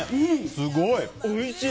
すごい。